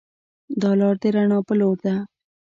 دا لار د رڼا پر لور ده.